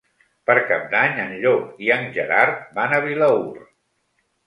Per Cap d'Any en Llop i en Gerard van a Vilaür.